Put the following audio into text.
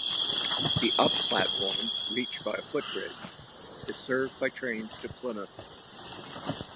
The up platform, reached by a footbridge, is served by trains to Plymouth.